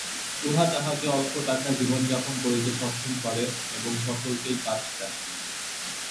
উহা তাহাকে অল্প টাকায় জীবনযাপন করিতে সক্ষম করে এবং সকলকেই কাজ দেয়।